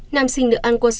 năm sinh được ăn qua sôn đờ